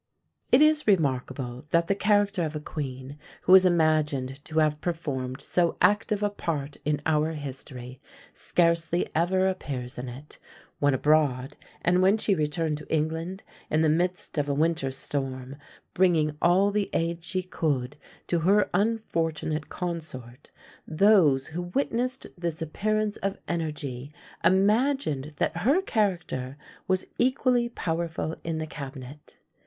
" It is remarkable, that the character of a queen, who is imagined to have performed so active a part in our history, scarcely ever appears in it; when abroad, and when she returned to England, in the midst of a winter storm, bringing all the aid she could to her unfortunate consort, those who witnessed this appearance of energy imagined that her character was equally powerful in the cabinet.